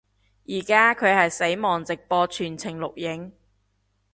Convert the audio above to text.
依家佢係死亡直播全程錄影